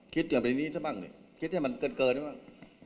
คิดอย่างนี้นี่ซะบ้างคิดให้มันเกิดเกินนี่บ้าง